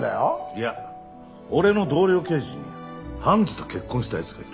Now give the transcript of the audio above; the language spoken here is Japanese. いや俺の同僚刑事に判事と結婚した奴がいる。